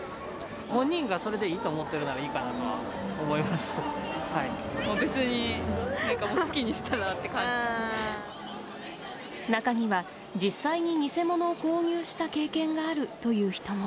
本人がそれでいいと思ってる別になんかもう、好きにした中には実際に偽物を購入した経験があるという人も。